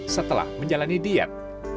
setelah menjalani diet